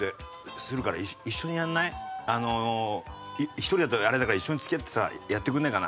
１人だとあれだから一緒に付き合ってさやってくれないかな？